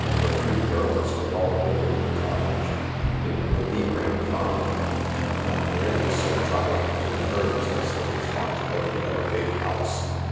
The three girls could all live in the cottage ; it would be great fun, and not nearly so trying to the nerves as the re sponsibility of a big house.